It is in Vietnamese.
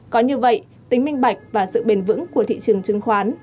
có như vậy tính minh bạch và sự bền vững của thị trường chứng khoán